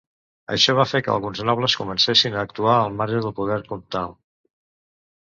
Això va fer que alguns nobles comencessin a actuar al marge del poder comtal.